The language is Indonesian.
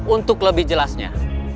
untuk lebih jelasnya